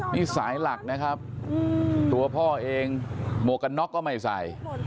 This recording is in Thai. นี่สายหลักนะครับตัวพ่อเองหมวกกันน็อกก็ไม่ใส่